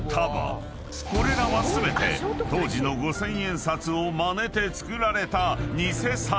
［これらは全て当時の五千円札をまねて作られた偽札］